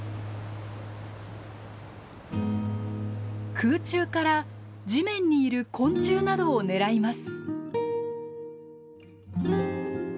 空中から地面にいる昆虫などを狙います。